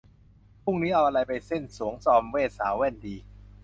พรุ่งนี้เอาอะไรไปเซ่นสรวงจอมเวทย์สาวแว่นดี ?